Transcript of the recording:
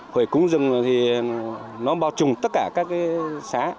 hội cúng rừng thì nó bao trùng tất cả các cái xã